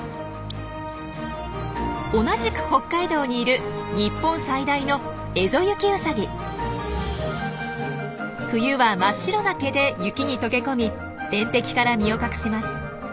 同じく北海道にいる日本最大の冬は真っ白な毛で雪に溶け込み天敵から身を隠します。